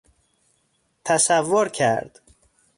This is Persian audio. تصور کرد